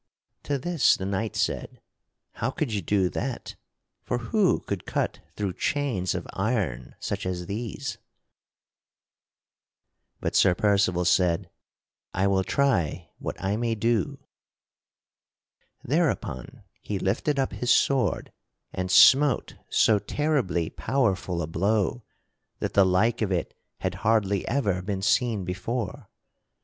To this the knight said: "How could you do that? For who could cut through chains of iron such as these?" But Sir Percival said: "I will try what I may do." [Sidenote: Sir Percival sets free the captive knight] Thereupon he lifted up his sword and smote so terribly powerful a blow that the like of it had hardly ever been seen before.